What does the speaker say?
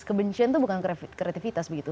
kebencian itu bukan kreativitas begitu